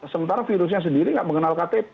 sementara virusnya sendiri tidak mengenal ktp